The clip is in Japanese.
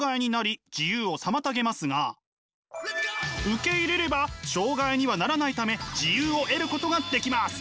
受け入れれば障害にはならないため自由を得ることができます。